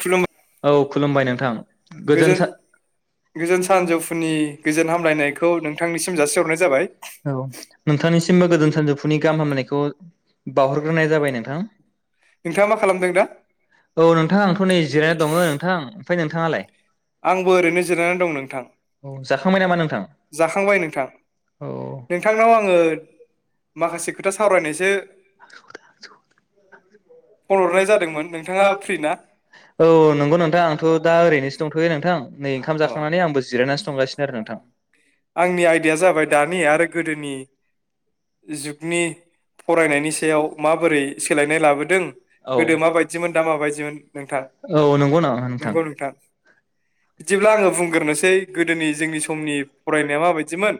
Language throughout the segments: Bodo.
खुलुमबाय औ खुलुमबाय नोंथां औ गोजोन गोजोन सानजौफुनि गोजोन हामलायनायखौ नोंथांनिसिम जासिहरनाय जाबाय नोंथांनिसिमबो गोजोन सानजौफुनि गाहाम हामलनायखौ बाउहरग्रोनाय जाबाय नोंथां नोंथाङा मा खालामदों दा औ नोंथां आंथ' नै जिरायना दङो नोंथां ओमफ्राय नोंथाङा नोंथाङालाय आंबो ओरैनो जिरायनानै दं नोंथां जाखांबाय नामा नोंथां जाखांबाय नोंथां नोंथांनाव आङो माखासे खोथा सावरायनायसो फन हरनाय जादोंमोन नोंथाङा फ्रि ना [unintelligible] औ नंगौ नोंथां आंथ' दा ओरैनोसो दंथ'यो दे नोंथां नै ओंखाम अ जाखांनानै आंबो जिरायनासो दंगासिनो आरो नोंथां आंनि आयदाया जाबाय दानि आरो गोदोनि जुगनि फरायनायनि सायाव माबोरै सोलायनाय लाबोदों गोदो माबायदिमोन माबायदिमोना आरो दा माबायदिमोन नोंथां माबायदि औ नंगौ नामा नोंथां बिदिब्ला आङो बुंगोरनोसै गोदोनि जोंनि समनि फरायनाया माबायदिमोन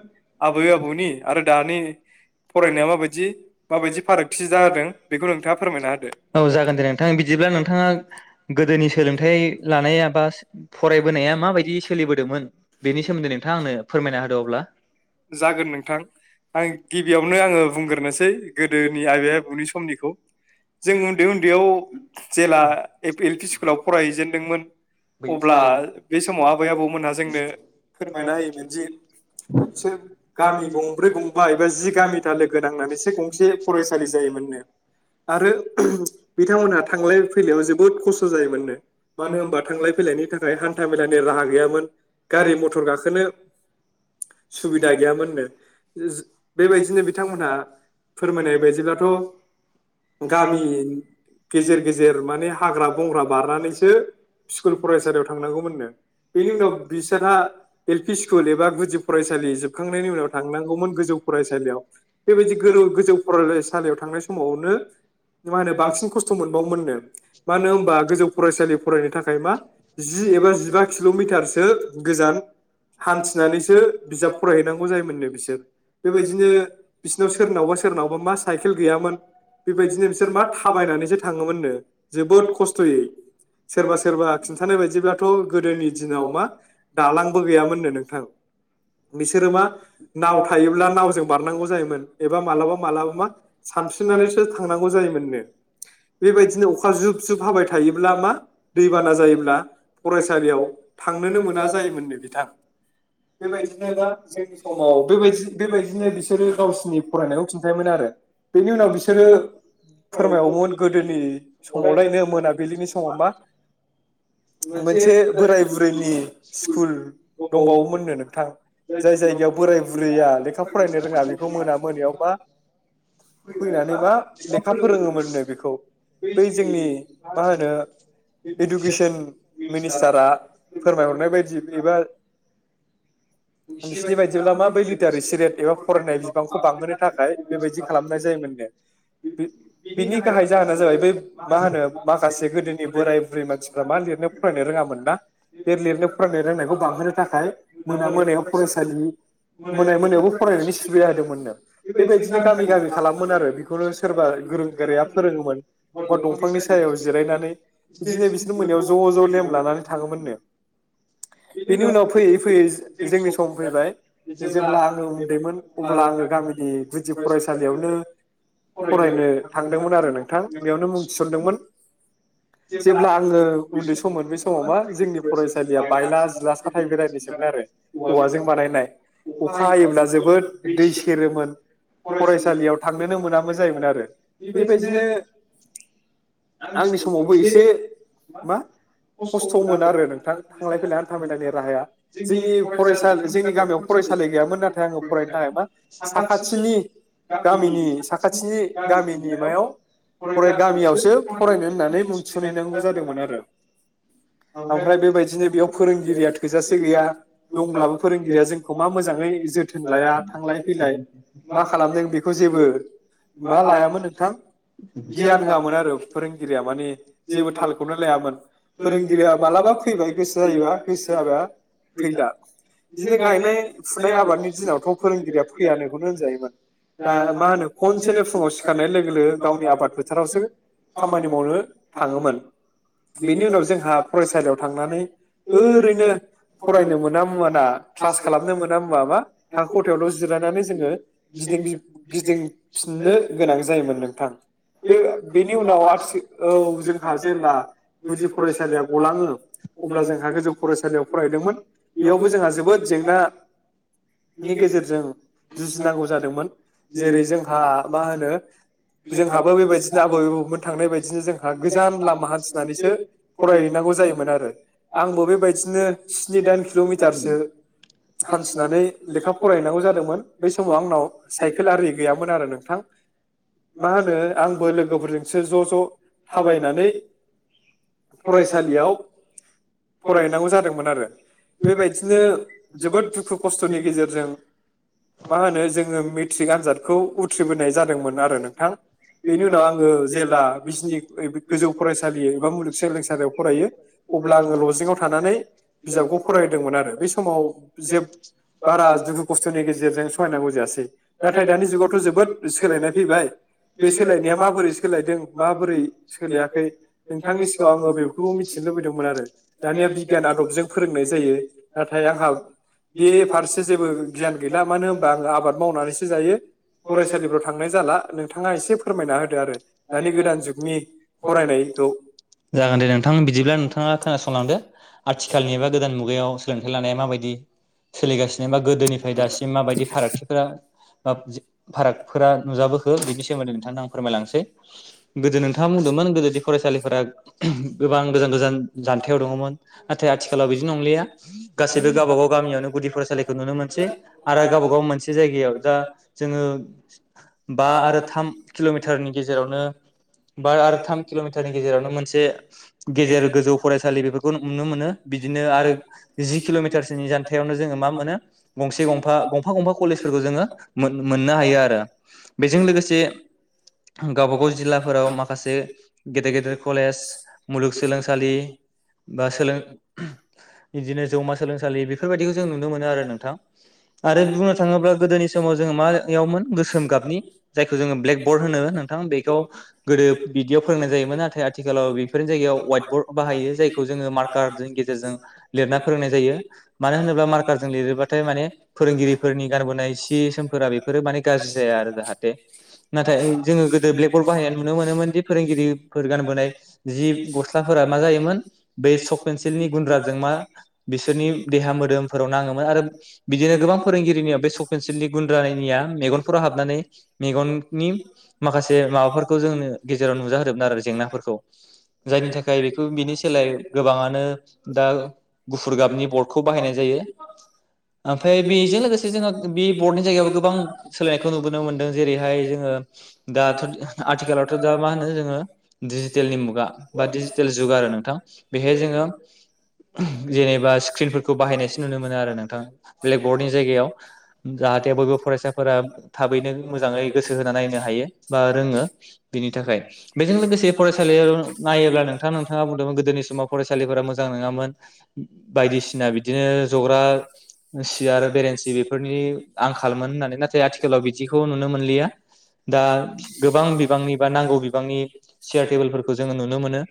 आबै आबौनि आरो दानि [unintelligible] फरायनाया माबायदि माबायदि फारागथि जादों बेखौ नोंथाङा फोरमायना होदो औ जागोन दे नोंथां बिदिब्ला नोंथाङा गोदोनि सोलोंथाइ लानायाबा फरायबोनाया माबायदि सोलिबोदोंमोन बेनि स सोमोन्दै नोंथाङा आंनो फोरमायना होदो अब्ला जागोन नोंथां आं गिबियावनो आङो बुंगोरनोसै गोदोनि आबै आबौनि समनिखौ जों उन्दै उन्दैयाव जेला एल पि स्कुलाव फरायहैजेनदोंमोन अब्ला बे समाव आबै आबौमोनहा जोंनो फोरमायना होयोमोन दि से गामि गंब्रै गंबा एबा जि गामिथा लोगो नांनानैसो गंसे फरायसालि जायोमोननो आरो बिथांमोनहा थांलाय फैलायाव जोबोद खस्थ' जायोमोननो मानो होनबा थांलाय फैलायनि थाखाय हान्था मेलानि राहा गैयामोन गारि मथर गाखोनो सुबिदा गैयामोननो जो बेबायदिनो बिथांमोनहा फोरमायनाय बायदिब्लाथ' गामि गेजेर गेजेर माने हाग्रा बंग्रा बारनानैसो स्कुल फरायसालियाव थांनांगौमोननो बेनि उनाव बिसोरहा एल पि स्कुल एबा गुदि फरायसालि जोबखांनायनि उनाव थांनांगौमोन गोजौ फरायसालियाव बेबायदि गोजौ फरायसालियाव थांनाय समावनो मा होनो बांसिन खस्थ' मोनबावोमोननो मानो होमबा गोजौ फरायसालि फरायनो थाखाय मा जि एबा जिबा किल'मिटारसो गोजान हान्थिनानैसो बिजाब फरायहैनांगौ जायोमोननो बिसोर बेबायदिनो बिसोरनाव सोरनावबा सोरनावबा मा साइकेल गैयामोन बेबायदिनो बिसोर मा थाबायनानैसो थाङोमोननो जोबोद खस्थ'यै सोरबा सोरबा खिन्थानाय बायदिब्लाथ' गोदोनि दिनाव मा दालांबो गैयामोननो नोंथां बिसोरो मा नाव थायोब्ला नावजों बारनांगौ जायोमोन एबा मालाबा मालाबा मा सानस्रिनानैसो थांनांगौ जायोमोननो बेबायदिनो अखा जुब जुब हाबाय थायोब्ला मा दैबाना जायोब्ला फरायसालियाव थांनोनो मोना जायोमोननो बिथां [inaudible] फोरमायबवोमोन गोदोनि समावलायनो मोनाबिलिनि समाव मा मोनसे बोराय बुरैनि स्कुल दंबावोमोननो नों थां जाय जायगायाव बोराय बुरैया लेखा फरायनो रोङा बेखौ मोना मोनायाव मा फैनानै मा लेखा फोरोङोमोननो बेखौ बै जोंनि मा होनो इडुकेसन मिनिस्टारा फोरमायहरनाय बायदिबो एबा नोंसिनि बायदिब्ला मा बै लिटार स रेट एबा फरायनाय बिबांखौ बांहोनो थाखाय बेबायदि खालामनाय जायोमोननो बिनि गाहाय जाहोना जाबाय बै मा होनो माखासे गोदोनि बोराय बुरै मानसिफ्रा मा लिरनो फरायनो रोङामोन ना बे लिरनो फरायनो रोंनायखौ बांहोनो थाखाय मोना मोना फरायसालि मोनाय मोनायावबो फरायनायनि सुबिदा होदोंमोननो बेबायदिनो गामि गामि खालामोन आरो बेखौनो सोरबा गोरों गोराया फोरोङोमोन बा दंफांनि सायाव जिरायनानै बिदिनो बिसोर मोनायाव ज' ज' लेम लानानै थाङोमोननो बेनि उनाव फैयै फैयै जोंनि सम फैबाय जेब्ला आङो उन्दैमोन अब्ला आङो गामिनि गुदि फरायसालियावनो फरायनो थांदोंमोन आरो नोंथां बेयावनो मुं थिसनदोंमोन जेब्ला आङो उन्दै सममोन बे समाव मा जोंनि फरायसालिया बायला जिला साथाय बेरायनिसोमोन आरो औवाजों बानायनाय अखा हायोब्ला जोबोद दै सेरोमोन फरायसालियाव थांनोनो मोनामोन जायोमोन आरो बेबायदिनो आंनि समावबो एसे मा खस्थ'मोन आरो नोंथां थांलाय फैलाय थामायनायनि राहाया जोंनि फरायसालि जोंनि गामियाव फरायसालि गैयामोन नाथाय आङो फरायनो थाखाय मा साखाथिनि गामिनि साखाथिनि गामिनि मायाव फराय गामियावसो फरायनो होननानै मुं थिहैनांगौ जादोंमोन आरो ओमफ्राय बेबायदिनो बेयाव फोरोंगिरिया थोजासे गैया दंब्लाबो फोरोंगिरिया जोंखौ मा मोजाङै जोथोन लाया थांलाय फैलाय मा खालामदों बेखौ जेबो मा लायामोन नोंथां गियान होआमोन आरो फोरोंगिरिया माने जेबो थालखौनो लायामोन फोरोंगिरिया मालाबा फैबाय गोसो जायोबा गोसोआाबाया फैला इदिनो गायनाय फुनाय आबादनि दिनावथ' फोरोंगिरिया फैय नखौनो होनजायोमोन दा मा होनो खनसेनो फुङाव सिखारनाय लोगो लोगो गावनि आबाद फोथारावसो खामानि मावनो थाङोमोन बेनि उनाव जोंहा फरायसालियाव थांनानै ओरैनो फरायनो मोन मोना क्लास खालामनो मोना म मा थाखो खथायावल' जिरायनानै जोङो गिदि गिदिंफिननो गोनां जायोमोन नोंथां बे बेनि उनाव आथि औ जोंहा जेब्ला गुदि फरायसालिया गलाङो अब्ला जोंहा गोजौ फरायसालियाव फरायदोंमोन बेयावबो जोंहा जोबोद जेंनानि गेजेरजों जुजिनांगौ जादोंमोन जेरै जोंहा मा होनो जोंहाबो बेबायदिनो आबै आबौमोन थांनाय बायदिनो जोंहा गोजान लामा हान्थिनानैसो फरायहैनांगौ जायोमोन आरो आंबो बेबायदिनो स्नि दानि किल'मिटारसो हान्थिनानै लेखा फरायनांगौ जादोंमोन बै समाव आंनाव साइकेल आरि गैयामोन आरो नोंथां मा होनो आंबो लोगोफोरजोंसो ज' ज' थाबायनानै फरायसालियाव फरायहैनांगौ जादोंमोन आरो बेबायदिनो जोबोद दुखु खस्थ'नि गेजेरजों मा होनो जोङो मेट्रिक आनजादखौ उथ्रिबोनाय जादोंमोन आरो नोंथां बेनि उनाव आङो जेब्ला बिजनि गोजौ फरायसालि एबा मुलुग सोलोंसालियाव फरायो अब्ला आङो लजिंआव थानानै बिजाबखौ फरायदोंमोन आरो बे समाव जे बारा दुखु खस्थ'नि गेजेरजों सहायनांगौ जायासै नाथाय दानि जुगावथ' जोबोद सोलायनाय फैबाय बे सोलायनाया माबोरै सोलायदों माबोरै सोलायाखै नोंथांनि सिगाङाव आङो बेखौबो मिथिनो लुबैदोंमोन आरो दानिया बिगियान आदबजों फोरोंनाय जायो नाथाय आंहा बे फारसे जेबो गियान गैला मानो होनबा आङो आबाद मावनानैसो जायो फरायसालिफ्राव थांनाय जाला नोंथाङा एसे फोरमायना होदो आरो दानि गोदान जुगनि फरायनायखौ जागोन दे नोंथां बिदिब्ला नोंथाङा खोनासंलांदो आथिखालनि एबा गोदान मुगायाव सोलोंथाइ लानाया माबायदि सोलिगासिनो बा गोदोनिफ्राय दासिम माबायदि फारागथिफोरा फारागफोरा नुजाबोखो बिनि सोमोन्दै नोंथांनो आं फोरमायलांसै गोदो नोंथाङा बुंदोंमोन गोदो दि फरायसालिफोरा गोबां गोजान गोजान जानथायाव दङमोन नाथाय आथि खालाव बिदि नंलिया गासैबो गावबा गाव गामियावनो गुदि फरायसालिखौ नुनो मोनसै आरो गावबा गाव मोनसे जायगायाव दा जोङो बा आरो थाम किल'मिटारनि गेजेरावनो बा आरो थाम किल'मिटारनि गेजेरावनो मोनसे गेजेर गोजौ फरायसालि बेफोरखौ नुनो मोनो बिदिनो आरो जि किल'मिटारसोनि जान्थायावनो जोङो मा मोनो गंसे गंफा गंफा गंफा कलेजफोरखौ जोङो मोननो हायो आरो बेजों लोगोसे गावबा गाव जिल्लाफोराव माखासे गेदेर गेदेर कलेज मुलुगसोलोंसालि बा सोलों बिदिनो जौमा सोलोंसालि बेफोरबायदिखौ जों नुनो मोनो आरो नोंथां आरो बुंनो थाङोब्ला गोदोनि समाव जोङो मायावमोन गोसोम गाबनि जायखौ जोङो ब्लेक बर्ड होनो नोंथां बेखौ गोदो बिदियाव फोरोंनाय जायोमोन नाथाय आथिखालाव बेफोरनि जायगायाव हाइट बर्ड बाहायो जायखौ जोङो मार्कारजों गेजेर फोरोंनाय जायो मानो होनोब मारकार लिरोबाथाय माने फोरोंगिरिफोरनि गानबोनाय सि सोमफोरा बेफोरो मान गाज्रि जाया आरो जाहाथे नाथाय जोङो गोदो ब्लेकबरद बाहायनाय नुनो मोनोमोन दि फोरोंगिरिफोर गानबोनाय जि गस्लाफोरा मा जायोमोन बै सक सिलनि गुन्द्राजों मा बिसोरनि देहा मोदोमफोराव नाङोमोन आरो बिदिनो गोबां फोरोंगिरिनियाव बे पेेनसिलनि गुन्द्रानिया मेगनफोराव हाबनानै मेगननि माखासे माबाफोरखौ जोंनो गेजेराव नुजााहोदोंमोन आरो जेंनाफोरखौ जायनि थाखाय बेखौ बिनि सोलाय गोबाङानो दा गुफुर गाबनि बर्डखौ बाहायनाय जायो ओमफ्राय बेजों लोगोसे जोंनो बे बर्डनि जायगायावबो गोबां सोलायनायखौ नुबोनो मोनदों जेरैहाय जोङो दाथ' आथिखालावथ' दा मा होनो जोङो डिजिटेलनि मुगा बा डिजिटेल जुग आरो नोंथां बेहाय जोङो जेनेबा स्क्रिनफोरखौ बाहायनायसो नुनो मोनो आरो नोंथाङा ब्लेकबर्डनि जायगायाव जाहाथे बयबो फरायसाफोरा थाबैनो मोजाङै गोसो होना नायनो हायो बा रोङो बिनि थाखाय बेजों लोगोसे फरायसालियाव नायोब्ला नोंथाङा नोंथाङा बुंदोंमोन गोदोनि समाव फरायसालिफोरा मोजां मोजां नङामोन बायदिसिना बिदिनो जग्रा सियार बेरेन्सि बेफोरनि आंखालमोन होननानै नाथाय आथिखालाव बिदिखौ नुनो मोनलिया दा गोबां बिबांनि बा नांगौ बिबांनि सियार टेबोलफोरखौ जोङो नुनो मोनो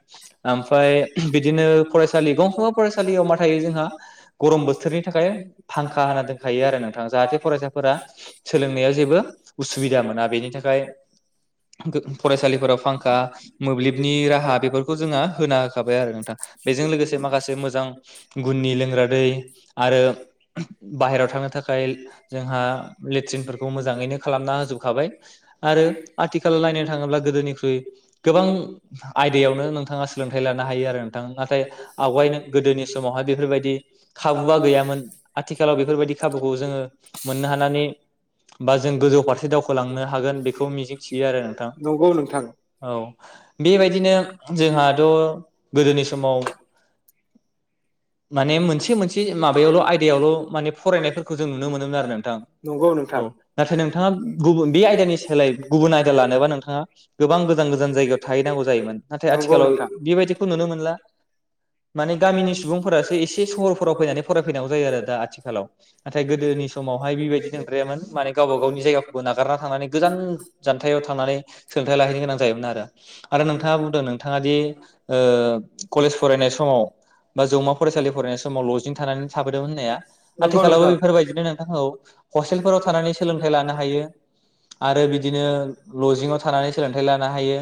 ओमफ्राय बिदिनो फरायसालि गंफ्रोमबो फरायसालियाव मा थायो जोंहा गरम बोथोरनि थाखाय फांखा होना दोनखायो आरो नोंथां जाहाथे फरायसाफोरा सोलोंनायाव जेबो उसुबिदा मोना बेनि थाखाय फरायसालिफोराव फांखा मोब्लिबनि राहा बेफोरखौ जोंहा होना होखाबाय आरो नोंथां बेजों लोगोसे माखासे मोजां गुननि लोंग्रा दै आरो बाहेरायाव थांनो थाखाय जोंहा लेट्रिनफोरखौ मोजाङैनो खालामना होजोबखाबाय आरो आथिखालाव नायनो थाङोब्ला गोदोनिख्रुइ गोबां आयदायावनो नोंथाङा सोलोंथाइ लानो हायो आरो नोंथां नाथाय आवगायनो गोदोनि समावहाय बेफोरबायदि खाबुआ गैयामोन आथिखालाव बेफोरबायदि खाबुखौ जोङो मोननो हानानै बा जों गोजौ फारसे दावखोलांनो हागोन बेखौ मिजिं थियो आरो आ नंगौ नोंथां बेबायदिनो जोंहाथ' गोदोनि सम समाव माने मोनसे मोनसे माबायावल' आयदायावल' माने फरायनायफोरखौ जों नुनो मोनोमोन आरो नोंथां नंगौ नोंथां औ नाथाय नोंथाङा गुबुन बे आयदानि सोलाय गुबुन आयदा लानोबा नोंथाङा गोबां गोजान गोजान जायगायाव थाहैनांगौ जायोमोन नाथाय नंगौ आथिखालाव नोंथां बेबायदिखौ नुनो मोनला माने गामिनि सुबुंफोरासो एसे सहरफोराव फैनानै फरायफैनांगौ जायो आरो दा आथिखालाव नाथाय गोदोनि समावहाय बेबायदि नंद्रायामोन माने गावबा गावनि जायगाखौबो नागारना थांनानै गोजान जानथायाव थांनानै सोलोंथाइ लाहैनो गोनां जायोमोन आरो आरो नोंथाङा बुंदों नोंथाङा दि कलेज फरायनाय सम बा जौमा फरायसालि फरायनाय समाव लजिं थानानै थाबोदोंमोन होननाया नंगौ आथिखालावबो नोंथां बेफोरबायदिनो नोंथांखौ हस्टेलफोराव थानानै सोलोंथाइ लानो हायो आरो बिदिनो लजिंआव थानानै सोलोंथाइ लानो हायो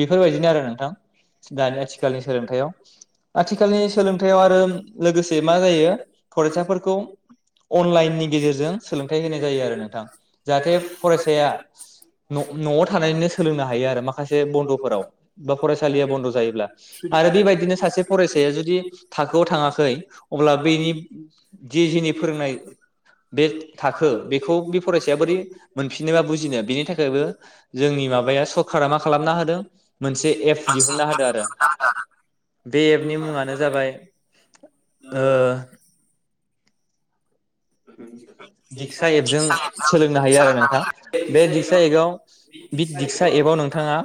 बेफोरबायदिनो आरो नोंथां आथिखालनि आथिखालनि सोलोंथायाइयाव आरो लोगोसे मा जायो फरायसाफोरखौ अनलाइननि गेजेरजों सोलोंथायाइ होनाय जायो आरो नोंथां जाहाथे फरायसाया न'आव थानानैनो सोलोंनो हायो आरो माखासे बन्द'फोराव बा फरायसालिया बन्द' आरो बेबायदिनो सासे फरायसाया जुदि थाखोआव थाङाखै अब्ला बेनि ज जनि फोरोंनाय बे थाखो बेखौ बे फरायसाया बोरै मोनफिनोबा बुजिनो बेनि थाखायबो जोंनि माबाया सरकारा मा खालामनो हादों मोनसे एप दिहुननो हादों बे एपनि मुङानो जाबाय दिक्सा एपजों सोलोंनो हायो आरो नोंथाङा बे दिक्सा एपआव बे दिक्सा एपआव नोंथाङा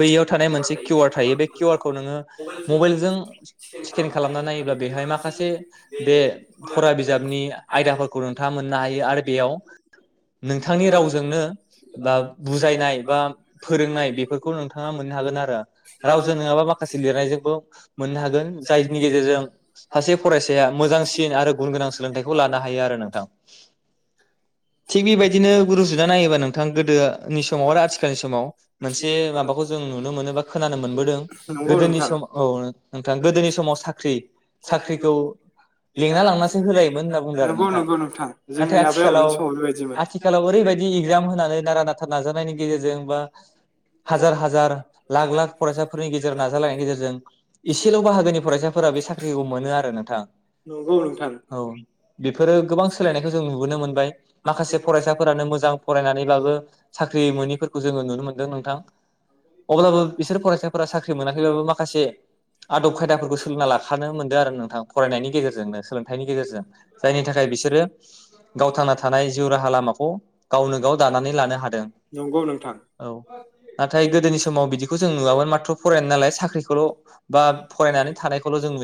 बैयाव थानाय मोनसे किउवार थायो बे किउवारखौ नोङो मबाइलजों स्केन खालामना नायोब्ला बेहाय माखासे बे फरा बिजाब बिजाबनि आयदाफोरखौ नोंथाङा मोननो हायो आरो बेयाव नोंथांनि रावजोंनो बा बुजायनाय बा फोरोंनाय बेफोरखौ नोंथाङा मोननो हागोन आरो रावजों नङाबा माखासे लिरनायजोंबो मोननो हागोन जायनि गेजेरजों सासे फरायसाया मोजांसिन आरो गुन गोन सोलोंथाइखौ लानो हायो आरो नोंथां थिग बेबायदिनो रुजुना नायोबा नोंथां गोदोनि समाव आरो आथिखालनि समाव मोनसे माबाखौ जों नुनो मोनो बा खोनानो मोनबोदों नंगौ गोदोनि नोंथां समाव औ नोंथां गोदोनि समाव साख्रि साख्रिखौ लेंना लांनासो होलायोमोन होनना बुंदों आरो नंगौ नोंथां नंगौ जोंनि नाथाय आबै आथिखालाव आबौनि समाव बेबायदिमोन आथिखालाव ओरैबायदि एगजाम होनानै नारा नाथा नाजानायनि गेजेरजों बा हाजार हाजार लाख लाख फरायसाफोरनि गेजेराव नाजालायनायनि गेजेरजों एसेल' बाहागोनि फरायसाफोरा बे साख्रिखौ मोनो आरो नोंथां नंगौ नोंथां औ बेफोरो गोबां सोलायनायखौ जों नुबोनो मोनबाय माखासे फरायसाफोरानो मोजां फरायनानैबाबो साख्रि मोनिफोरखौ जोङो नुनो मोनदों नोंथां अब्लाबो बिसोर फरायसाफोरा साख्रगेजेरजोंबाबो माखासे आदब खायदाफोरखौ सोलोंना लाखानो मोनदों आरो नोंथां फरायनायनि गेजेरजोंनो सोलोंथाइनि गेजेरजों जायनि थाखाय बिसोरो गावथांना थानाय जिउ राहा लामाखौ गावनो गाव दानानै लानो हादों नंगौ नोंथां औ नाथाय गोदोनि समाव बिदिखौ जों नुवामोन माथ्र' फरायनाय नालाय साख्रिखौल' बा फरायनानै थानायखौल' जों